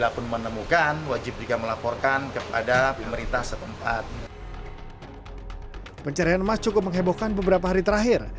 pencarian emas cukup menghebohkan beberapa hari terakhir